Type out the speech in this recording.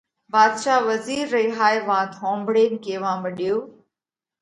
ڀاڌشا وزِير رئي هائي وات ۿومڀۯينَ ڪيوا مڏيو: